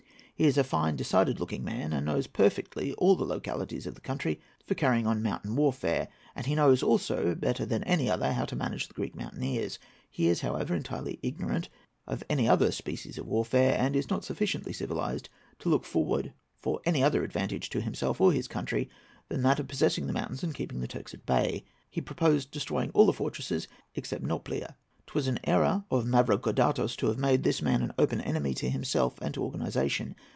He is a fine, decided looking man, and knows perfectly all the localities of the country for carrying on mountain warfare, and he knows also, better than any other, how to manage the Greek mountaineers. He is, however, entirely ignorant of any other species of warfare, and is not sufficiently civilized to look forward for any other advantage to himself or his country than that of possessing the mountains and keeping the Turks at bay. He proposed destroying all the fortresses except Nauplia. 'Twas an error of Mavrocordatos to have made this man an open enemy to himself and to organization.